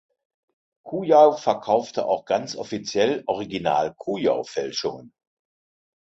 Kujau verkaufte auch ganz offiziell "Original Kujau-Fälschungen".